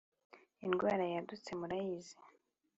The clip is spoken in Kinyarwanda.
Indwara yadutse murayizi